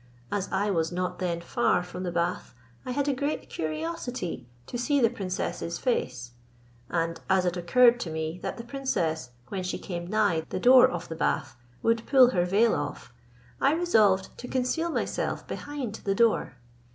As I was not then far from the bath, I had a great curiosity to see the princess's face; and as it occurred to me that the princess, when she came nigh the door of the bath, would pull her veil off, I resolved to conceal myself behind the door.